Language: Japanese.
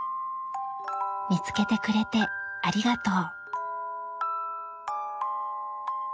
「みつけてくれてありがとう」。